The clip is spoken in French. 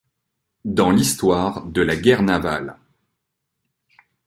Dans l'histoire de la guerre navale.